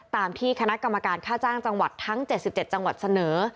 ตามที่คณะกรรมการค่าจ้างจังหวัดทั้ง๗๗จังหวัดเสนอ